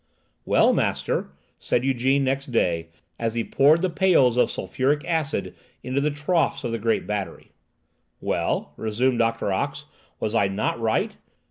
"Well, master," said Ygène next day, as he poured the pails of sulphuric acid into the troughs of the great battery. "Well," resumed Doctor Ox, "was I not right?